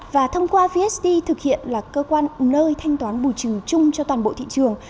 và thông qua vst thực hiện là cơ quan nơi thanh toán bù trừ chung cho toàn bộ thị trường